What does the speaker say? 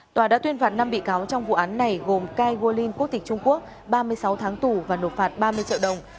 tòa đã tuyên phạt năm bị cáo trong vụ án này gồm kai wo linh quốc tịch trung quốc ba mươi sáu tháng tù và nộp phạt ba mươi triệu đồng